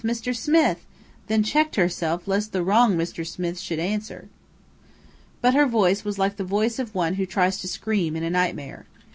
Mr. Smith!" then checked herself lest the wrong Mr. Smith should answer. But her voice was like the voice of one who tries to scream in a nightmare.